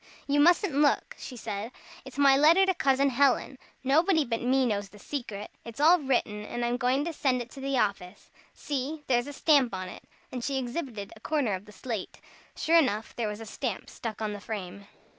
"You mustn't look," she said, "it's my letter to Cousin Helen. Nobody but me knows the secret. It's all written, and I'm going to send it to the office. See there's a stamp on it;" and she exhibited a corner of the slate. Sure enough, there was a stamp stuck on the frame.